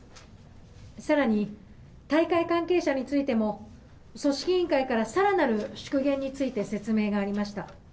さらに、大会関係者についても、組織委員会からさらなる縮減について説明がありました。